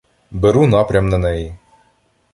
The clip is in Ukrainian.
Беру напрям на неї.